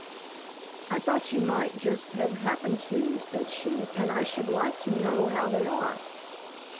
"I thought you might have just happened to," said she, "and I should like to know how they are."